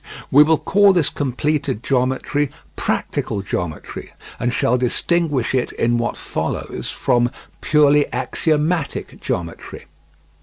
We will call this completed geometry "practical geometry," and shall distinguish it in what follows from "purely axiomatic geometry."